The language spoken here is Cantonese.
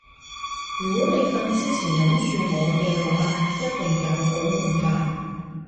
如果你瞓之前諗住我嘅話一定有好夢發